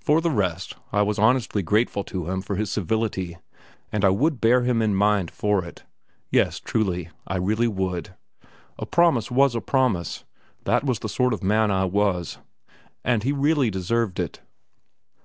For the rest I was honestly grateful to him for his civility, and I would bear him in mind for it. Yes, truly, I really would. A promise was a promise; that was the sort of man I was, and he really deserved it.